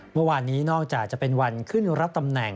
เมื่อวานนี้นอกจากจะเป็นวันขึ้นรับตำแหน่ง